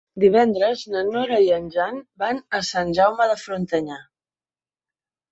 Divendres na Nora i en Jan van a Sant Jaume de Frontanyà.